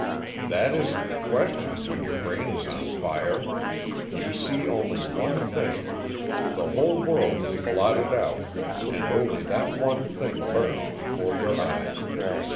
"That isn't the question, when your brain is on fire. You see only one thing. The whole world is blotted out, and only that one thing burns before your eyes.